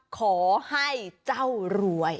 ขอให้เจ้ารวย